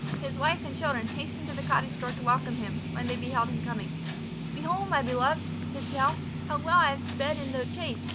His wife and children hastened to the cottage door to welcome him, when they beheld him coming. "Behold, my beloved," said Tell, "how well I have sped in the chase!